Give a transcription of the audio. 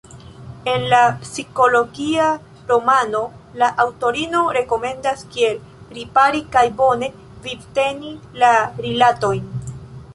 En la psikologia romano la aŭtorino rekomendas kiel ripari kaj bone vivteni la rilatojn.